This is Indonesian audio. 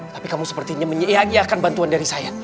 tapi kamu sepertinya menyia iakan bantuan dari saya